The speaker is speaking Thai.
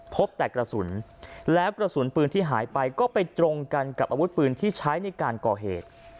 พบแต่กระสุนแล้วกระสุนปืนที่หายไปก็ไปตรงกันกับอาวุธปืนที่ใช้ในการก่อเหตุ